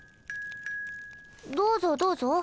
どうぞどうぞ。